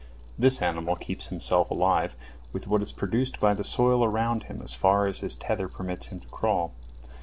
This animal keeps himself alive with what is produced by the soil around about him as far as his tether permits him to crawl.